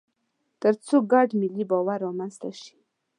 تر څو ګډ ملي باور رامنځته شي.